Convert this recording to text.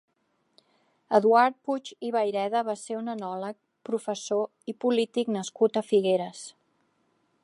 Eduard Puig i Vayreda va ser un enòleg, professor i polític nascut a Figueres.